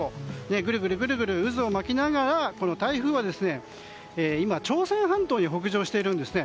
ぐるぐる渦を巻きながらこの台風は今、朝鮮半島に北上しているんですね。